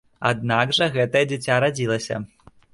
Аднак жа гэтае дзіця радзілася.